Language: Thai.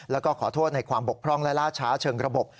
แล้วก็ขอโทษในความบกพร่องและล่าช้าเชิงระบบ